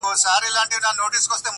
o لونگيه دا خبره دې سهې ده.